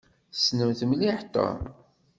Tessnemt mliḥ Tom?